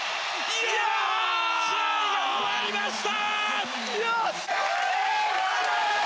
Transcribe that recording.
試合が終わりました！